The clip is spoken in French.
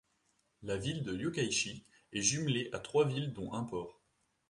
La ville de Yokkaichi est jumelée à trois villes dont un port.